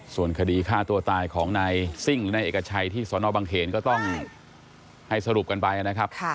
ส่วนคดีฆ่าตัวตายของนายซิ่งในเอกชัยที่สนบังเขนก็ต้องให้สรุปกันไปนะครับ